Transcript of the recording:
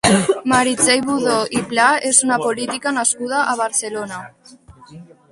Meritxell Budó i Pla és una política nascuda a Barcelona.